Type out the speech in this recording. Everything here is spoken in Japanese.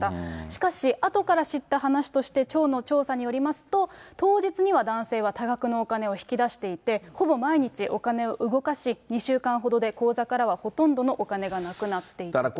しかし、後から知った話として、町の調査によりますと、当日には男性は多額のお金を引き出していて、ほぼ毎日、お金を動かし、２週間ほどで口座からはほとんどのお金がなくなっていたと。